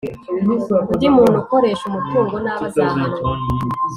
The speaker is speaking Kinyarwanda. Undi muntu ukoresha umutungo nabi azahanwa.